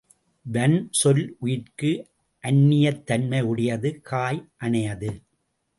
வன்சொல் உயிர்க்கு அந்நியத் தன்மையுடையது காய் அணையது.